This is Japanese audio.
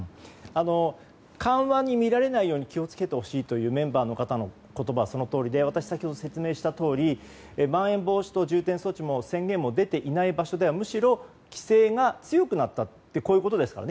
緩和に見られないように気を付けてほしいメンバーの方の言葉は、そのとおりで私が先ほど説明したとおりまん延防止等重点措置も宣言も出ていない場所ではむしろ規制が強くなったということですかね